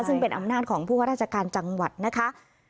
ซึ่งเป็นอำนาจของผู้ว่าราชการจังหวัดนะคะ